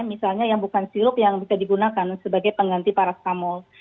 misalnya yang bukan sirup yang bisa digunakan sebagai pengganti parastamol